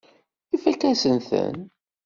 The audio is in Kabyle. Ifakk-asen-ten.